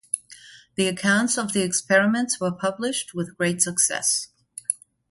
The accounts of the experiments were published with great success.